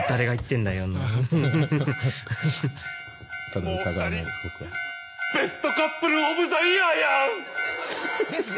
もう２人「ベストカップルオブザイヤー」やん。ですね。